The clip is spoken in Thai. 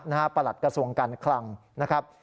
ประหลัดกระทรวงการคลังนะครับ